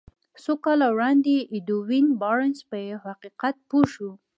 څو کاله وړاندې ايډوين بارنس په يوه حقيقت پوه شو.